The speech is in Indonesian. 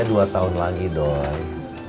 maksudnya dua tahun lagi doi